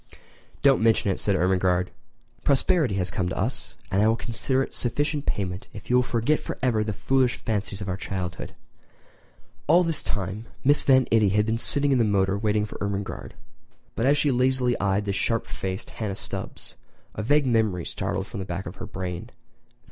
"Don't mention it," said Ermengarde, "prosperity has come to us, and I will consider it sufficient payment if you will forget forever the foolish fancies of our childhood." All this time Mrs. Van Itty had been sitting in the motor waiting for Ermengarde; but as she lazily eyed the sharp faced Hannah Stubbs a vague memory started from the back of her brain.